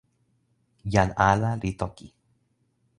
jan ala li toki.